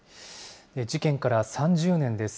事件から３０年です。